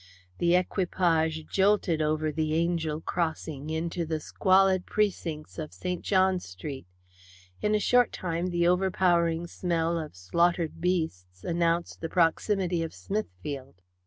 The equipage jolted over the Angel crossing into the squalid precincts of St. John's Street. In a short time the overpowering smell of slaughtered beasts announced the proximity of Smithfield.